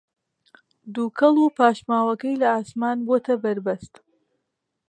دووکەڵ و پاشماوەکەی لە ئاسمان بووەتە بەربەست